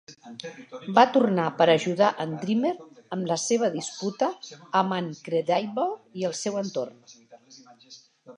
Va tornar per ajudar en Dreamer en la seva disputa amb en Credible i el seu entorn.